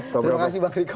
terima kasih bang riko